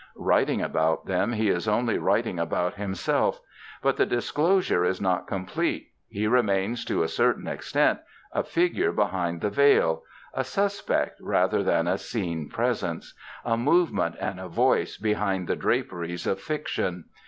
Writing about them, he is only writing about himself. But the disclosure is not complete. He remains, to a certain extent, a figure behind the veil; a suspected rather than a seen presence a movement and a voice behind the draperies of fiction.